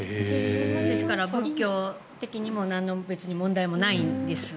ですから、仏教的にも何の問題もないんですね。